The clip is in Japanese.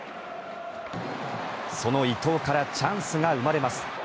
その伊東からチャンスが生まれます。